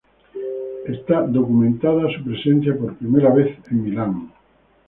Está documentada su presencia por vez primera en Milán.